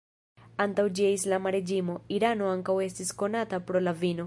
Antaŭ ĝia islama reĝimo, Irano ankaŭ estis konata pro la vino.